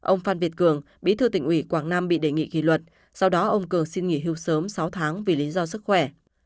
ông phan việt cường bí thư tỉnh ủy quảng nam bị đề nghị kỷ luật sau đó ông cờ xin nghỉ hưu sớm sáu tháng vì lý do sức khỏe